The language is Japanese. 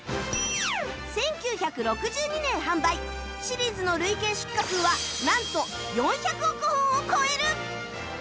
１９６２年販売シリーズの累計出荷数はなんと４００億本を超える！